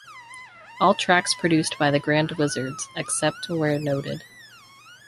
All tracks produced by The Grand Wizzards, except where noted.